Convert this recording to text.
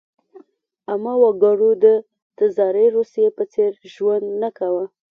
عامه وګړو د تزاري روسیې په څېر ژوند نه کاوه.